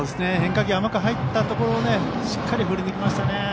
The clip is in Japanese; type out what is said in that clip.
変化球が甘く入ったところをしっかり振りに行きましたね。